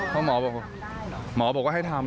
เพราะหมอบอกว่าให้ทำ